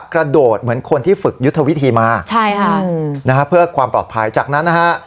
กระโดดเหมือนคนที่ฝึกยุทธวิธีมาใช่ค่ะนะฮะเพื่อความปลอดภัยจากนั้นนะฮะ